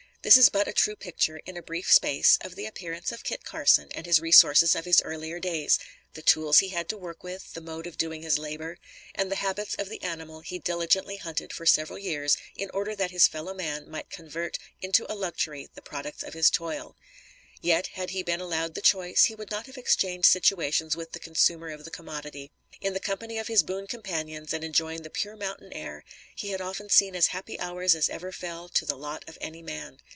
This is but a true picture, in a brief space, of the appearance of Kit Carson and the resources of his earlier days, the tools he had to work with, the mode of doing his labor, and the habits of the animal he diligently hunted for several years in order that his fellow man might convert into a luxury the products of his toil; yet had he been allowed the choice, he would not have exchanged situations with the consumer of the commodity. In the company of his boon companions and enjoying the pure mountain air, he had often seen as happy hours as ever fell to the lot of any man.